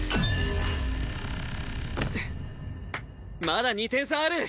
まだ２点差ある！